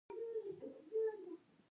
مور یې بوډۍ شوې وه او دواړو ډېر وخت وژړل